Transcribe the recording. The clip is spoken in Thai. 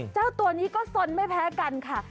เจ้าตัวนี้ก็สนไม่แพ้กันค่ะ